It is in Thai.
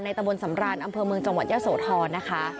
ในตะบลสำรานอำเภอเมืองจังหวัดเยี่ยวโสทรนะคะ